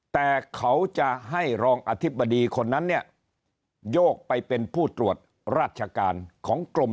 แต่เขาจะให้รองอธิบดีคนนั้นเนี่ยโยกไปเป็นผู้ตรวจราชการของกรม